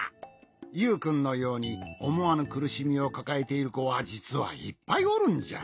ユウくんのようにおもわぬくるしみをかかえているこはじつはいっぱいおるんじゃ。